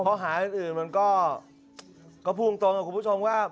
ข้อหาอื่นมันก็พูดตรงกับคุณผู้ชมว่า